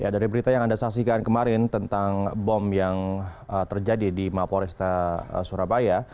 dari berita yang anda saksikan kemarin tentang bom yang terjadi di mapo resta surabaya